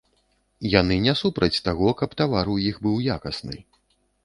Яны не супраць таго, каб тавар у іх быў якасны.